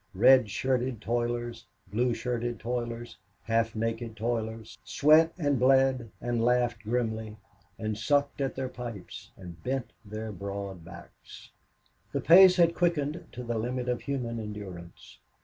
Red shirted toilers, blue shirted toilers, half naked toilers, sweat and bled, and laughed grimly, and sucked at their pipes, and bent their broad backs. The pace had quickened to the limit of human endurance.